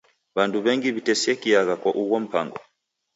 W'andu w'engi w'itesekiagha kwa ugho mpango.